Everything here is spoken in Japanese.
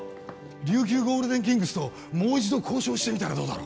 琉球ゴールデンキングスともう一度交渉してみたらどうだろう？